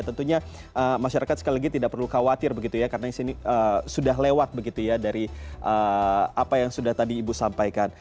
tentunya masyarakat sekali lagi tidak perlu khawatir begitu ya karena sudah lewat begitu ya dari apa yang sudah tadi ibu sampaikan